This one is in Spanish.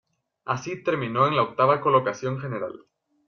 Así, terminó en la octava colocación general.